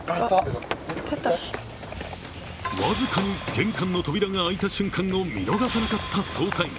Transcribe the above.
僅かに玄関の扉が開いた瞬間を見逃さなかった捜査員。